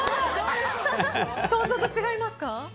想像と違いますか？